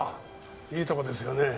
いいとこですよね。